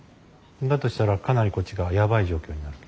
だとしたらかなりこっちがやばい状況になる。